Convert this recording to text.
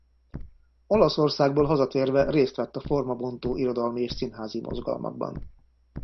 Olaszországból hazatérve részt vett a formabontó irodalmi és színházi mozgalmakban.